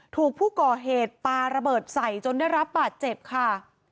ถูกผู้ก่อเหตุปลาระเบิดใส่จนได้รับบาดเจ็บค่ะ